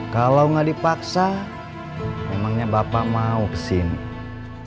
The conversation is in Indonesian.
kalau nggak dipaksa memangnya bapak mau kesini